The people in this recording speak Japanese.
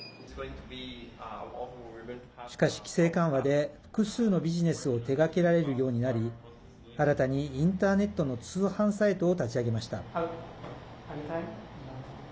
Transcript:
しかし、規制緩和で複数のビジネスを手がけられるようになり新たにインターネットの通販サイトを立ち上げました。